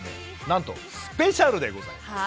なんとスペシャルでございます。